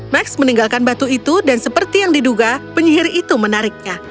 max meninggalkan batu itu dan seperti yang diduga penyihir itu menariknya